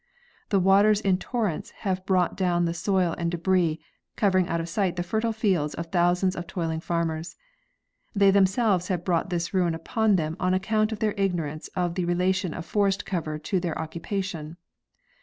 The waters in torrents have brought down the soil and débris, covering out of sight the fertile fields of thousands of toiling farmers. They themselves have brought this ruin upon them on account of their ignorance of the relation « of forest cover to their occupation.